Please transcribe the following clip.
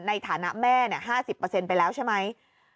ในฐานะแม่๕๐ไปแล้วใช่ไหม